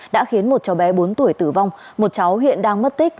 đã khiến một cháu bé bốn tuổi tử vong một cháu hiện đang mất tích